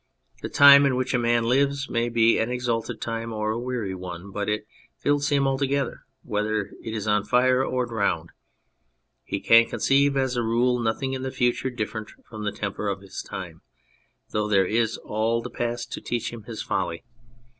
The time in which a man lives may be an exalted time or a weary one, but it fills him altogether, whether it is on fire or drowned. He can conceive, as a rule, nothing in the future different from the temper of his time, though there is all the past to teach him his folly.